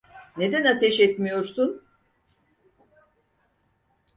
Neden ateş etmiyorsun?